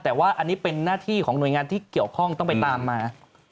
แต่ว่าอันนี้เป็นหน้าที่ของหน่วยงานที่เกี่ยวข้องต้องไปตามมา